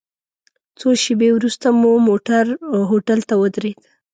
څو شېبې وروسته مو موټر هوټل ته ودرید.